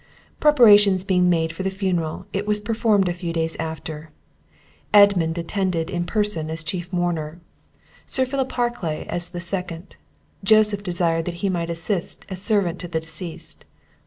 Preparations being made for the funeral, it was performed a few days after. Edmund attended in person as chief mourner, Sir Philip Harclay as the second; Joseph desired he might assist as servant to the deceased.